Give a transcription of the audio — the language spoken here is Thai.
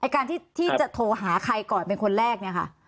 การที่จะโทรหาใครก่อนเป็นคนแรก